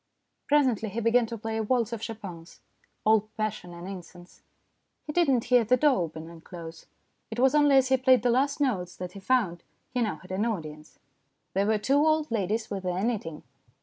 Presently he began to play a waltz of Chopin's, all passion and incense. He did not hear the door open and close. It was only as he played the last notes that he found he now had an audience. There were two old ladies with their knitting.